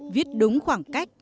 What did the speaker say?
viết đúng khoảng cách